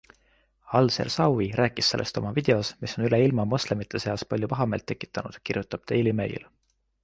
Al-Sersawi rääkis sellest oma videos, mis on üle ilma moslemite seas palju pahameelt tekitanud, kirjutab Daily Mail.